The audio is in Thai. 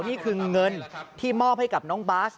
นี่คือเงินที่มอบให้กับน้องบาส